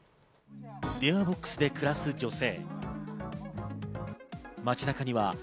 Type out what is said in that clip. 電話ボックスで暮らす女性。